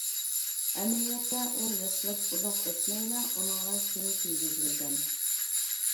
ئەمەلىيەتتە ئۇ ياسىلىپ ئۇزاق ئۆتمەيلا ئۇنىڭغا كىيىم كىيگۈزۈلگەن.